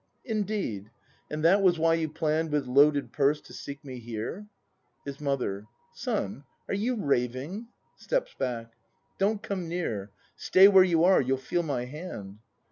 Indeed ? And that was why you plann'd With loaded purse to seek me here.? His Mother. Son, are you raving ? [Steps hack.] Don't come near. Stay where you are! You'll feel my hand!